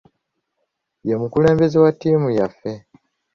Ye mukulembeze wa ttiimu yaffe.